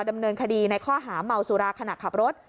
ดำเนินคดีในข้อหาเมาสุราขณะขับรถ